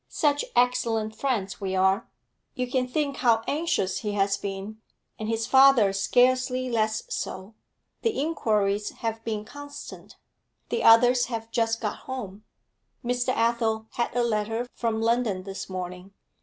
Such excellent friends we are! You can think how anxious he has been; and his father scarcely less so. The inquiries have been constant. The others have just got home; Mr. Athel had a letter from London this morning.